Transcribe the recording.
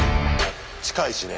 近いしね。